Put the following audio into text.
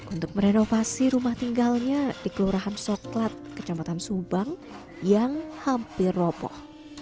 untuk merenovasi rumah tinggalnya di kelurahan soklat kecamatan subang yang hampir roboh